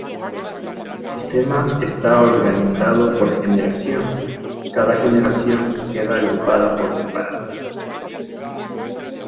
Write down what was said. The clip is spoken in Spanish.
El sistema está organizado por generación, i.e., cada generación queda agrupada por separado.